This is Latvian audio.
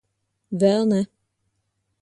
Vēl ne.